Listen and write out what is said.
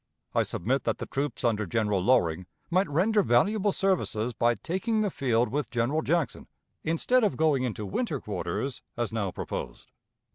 I submit that the troops under General Loring might render valuable services by taking the field with General Jackson, instead of going into winter quarters, as now proposed.